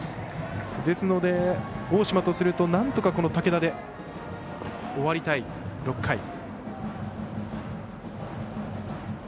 ですので、大島とするとなんとか武田で終わりたい６回。